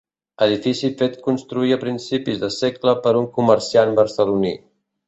Edifici fet construir a principis de segle per un comerciant barceloní.